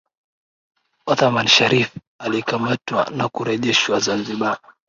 Othaman Shariff alikamatwa na kurejeshwa Zanzibar